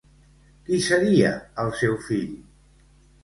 Qui seria el seu fill?